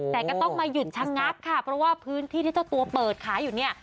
แต่ก็ต้องมาหยุดชะงักค่ะเพราะว่าพื้นที่ที่เจ้าตัวเปิดขายอยู่เนี่ย